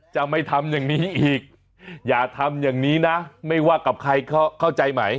จะไม่ทำอย่างนี้อีกอย่าทำอย่างนี้นะไม่ว่ากับใครเข้าใจไหม